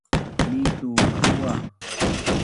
Ni tu makua